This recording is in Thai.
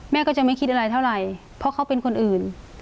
แม่ก็จะไม่คิดอะไรเท่าไหร่เพราะเขาเป็นคนอื่น